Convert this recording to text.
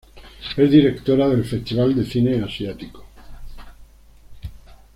Es directora del Festival de Cine Asiático.